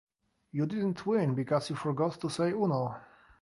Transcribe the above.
You didn’t win because you forgot to say Uno.